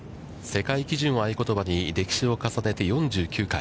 世界基準を合い言葉に歴史を重ねて４９回。